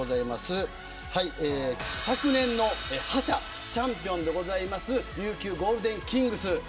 昨年の覇者、チャンピオンである琉球ゴールデンキングス。